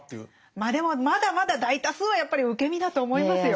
まあでもまだまだ大多数はやっぱり受け身だと思いますよ。